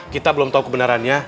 kita belum tau kebenarannya